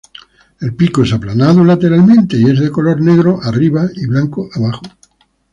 El pico es aplanado lateralmente, y es de color negro arriba y blanco abajo.